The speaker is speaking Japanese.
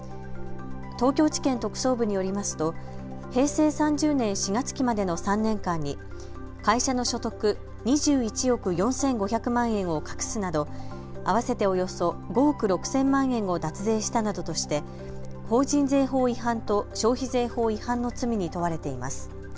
東京地検特捜部によりますと平成３０年４月期までの３年間に会社の所得２１億４５００万円を隠すなど合わせておよそ５億６０００万円を脱税したなどとして法人税法違反と消費税法違反の罪に問われています。